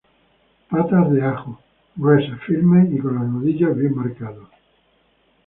Patas de ajo: Gruesas, firmes y con los nudillos bien marcados.